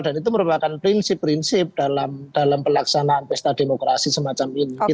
dan itu merupakan prinsip prinsip dalam pelaksanaan pesta demokrasi semacam ini